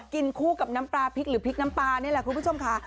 คู่กับน้ำปลาพริกหรือพริกน้ำปลานี่แหละคุณผู้ชมค่ะ